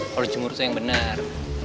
kalau cemur itu yang benar